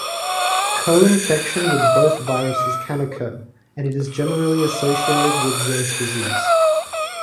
Co-infection with both viruses can occur, and is generally associated with worse disease.